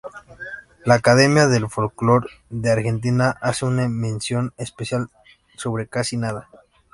La Academia del Folklore de Argentina hace una mención especial sobre "Casi nada.